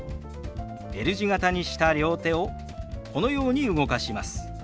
Ｌ字形にした両手をこのように動かします。